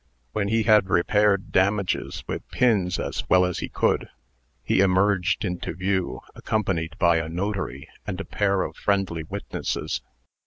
When he had repaired damages with pins as well as he could, he emerged into view, accompanied by a notary and a pair of friendly witnesses.